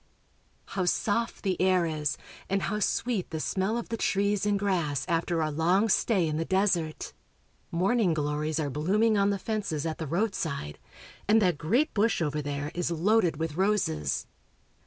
How soft the air is, and how sweet the smell of the trees and grass after our long stay in the desert ! Morn ing glories are blooming on the fences at the roadside, and that great bush over there is loaded with roses.